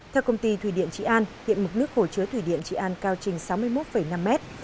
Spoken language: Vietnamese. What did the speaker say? theo công ty thủy điện trị an hiện mực nước hồ chứa thủy điện trị an cao trình sáu mươi một năm mét